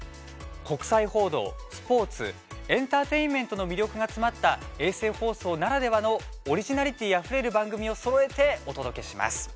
国際報道、スポーツエンターテインメントの魅力が詰まった衛星放送ならではのオリジナリティーあふれる番組をそろえてお届けします。